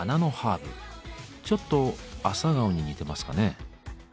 ちょっとアサガオに似てますかね。